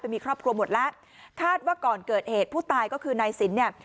มีครอบครัวหมดแล้วคาดว่าก่อนเกิดเหตุผู้ตายก็คือนายสินเนี่ย